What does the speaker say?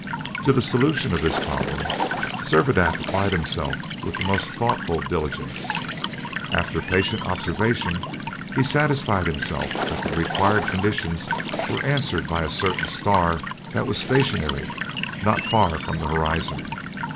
To the solution of this problem Servadac applied himself with the most thoughtful diligence. After patient observation, he satisfied himself that the required conditions were answered by a certain star that was stationary not far from the horizon.